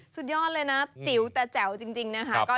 สุดยอดเลยนะจิ๋วแต่แจ๋วจริงนะคะ